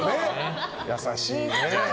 優しいね。